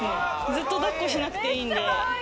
ずっとだっこしなくていいので。